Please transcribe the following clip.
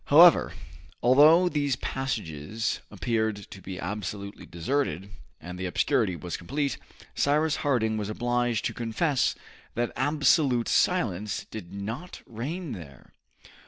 However, although these passages appeared to be absolutely deserted, and the obscurity was complete, Cyrus Harding was obliged to confess that absolute silence did not reign there.